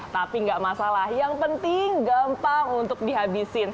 tapi nggak masalah yang penting gampang untuk dihabisin